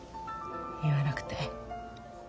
言わなくて。